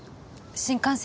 新幹線？